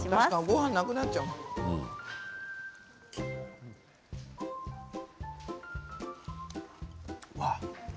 ごはんがなくなっちゃう。